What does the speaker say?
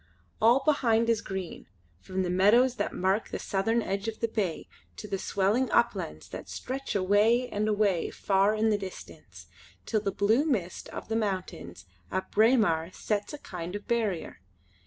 All behind is green, from the meadows that mark the southern edge of the bay to the swelling uplands that stretch away and away far in the distance, till the blue mist of the mountains at Braemar sets a kind of barrier.